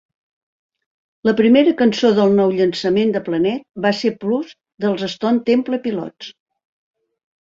La primera cançó del nou llançament de "Planet" va ser "Plush" dels Stone Temple Pilots.